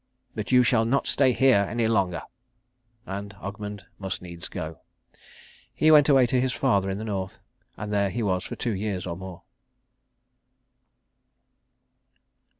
But you shall not stay here any longer." And Ogmund must needs go. He went away to his father in the North, and there he was for two years or more.